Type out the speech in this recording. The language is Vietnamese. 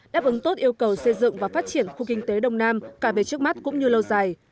đáp ứng tốt yêu cầu xây dựng và phát triển khu kinh tế đông nam cả về trước mắt cũng như lâu dài